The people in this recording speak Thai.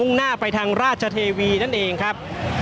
ก็น่าจะมีการเปิดทางให้รถพยาบาลเคลื่อนต่อไปนะครับ